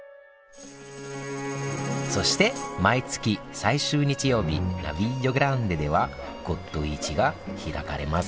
そして毎月最終日曜日ナヴィリオ・グランデでは骨董市が開かれます